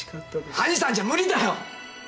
兄さんじゃ無理だよ！